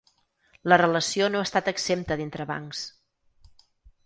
La relació no ha estat exempta d’entrebancs.